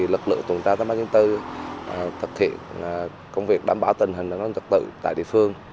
lực lượng tuần tra tại bắc nhân tư thực hiện công việc đảm bảo tình hình an ninh trật tự tại địa phương